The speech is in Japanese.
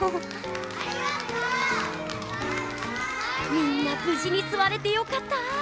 みんなぶじにすわれてよかった！